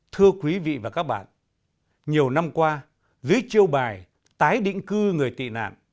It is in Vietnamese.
thưa quý vị và các bạn nhiều năm qua dưới chiêu bài tái định cư người tị nạn